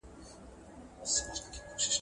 • په ړنديانو کي چپک اغا دئ.